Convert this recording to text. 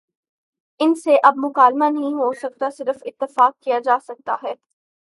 ان سے اب مکالمہ نہیں ہو سکتا صرف اتفاق کیا جا سکتا ہے۔